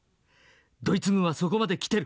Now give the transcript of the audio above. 『ドイツ軍はそこまで来てる。